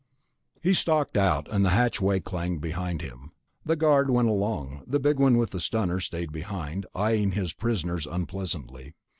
He stalked out, and the hatchway clanged behind him. One guard went along; the big one with the stunner stayed behind, eyeing his prisoners unpleasantly.